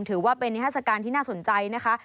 ถือว่าเป็นนิทัศกาลที่น่าสนใจนะคะ